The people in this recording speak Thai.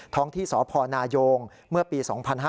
ท้องที่สพนายงเมื่อปี๒๕๔๙